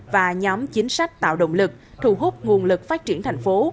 và nhóm chính sách tạo động lực thu hút nguồn lực phát triển thành phố